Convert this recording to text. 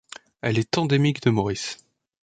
Elle est endémique de Maurice.